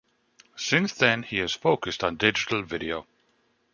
Since then he has focused on digital video.